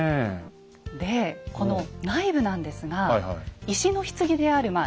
でこの内部なんですが石のひつぎであるま